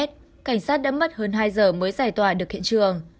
cảnh sát đã mất hơn hai giờ mới giải tỏa được hiện trường